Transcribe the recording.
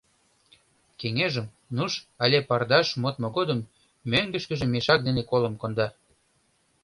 Кеҥежым, нуж але пардаш модмо годым, мӧҥгышкыжӧ мешак дене колым конда.